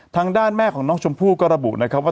ทางด้านแม่ของน้องชมพู่ก็ระบุนะครับว่า